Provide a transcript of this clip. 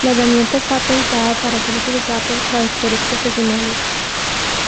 La herramienta está pensada para ser utilizada por traductores profesionales.